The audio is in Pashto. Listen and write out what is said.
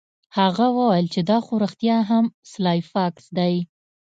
هغه وویل چې دا خو رښتیا هم سلای فاکس دی